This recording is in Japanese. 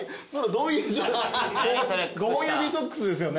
５本指ソックスですよね？